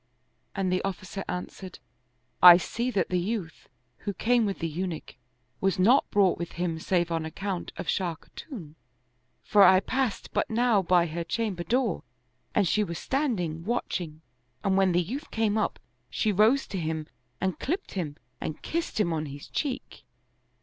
and the officer an swered, " I see that the youth, who came with the Eunuch, was not brought with him save on account of Shah Khatun ; for I passed but now by her chamber door, and she was standing, watching; and when the youth came up, she rose to him and clipped him and kissed him on his cheek."